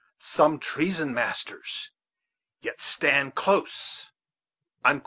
Some treason, masters Yet stand close."